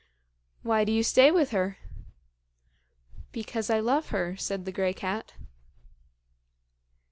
"Why do you stay with her?" "Because I love her," said the grey cat.